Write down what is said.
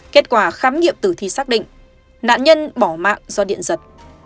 kết quả khám nghiệm tử thi xác định nạn nhân bỏ mạng do điện giật